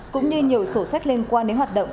cũng như nhiều sổ sách liên quan đến hoạt động